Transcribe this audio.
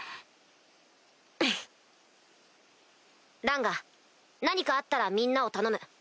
ランガ何かあったらみんなを頼む。